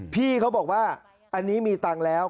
พี่เขาบอกว่าอันนี้มีตังค์แล้ว